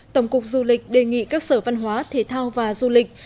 tổng cục du lịch đề nghị các sở văn hóa thể thao và du lịch